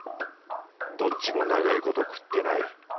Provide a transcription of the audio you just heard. どっちも長いこと食ってない。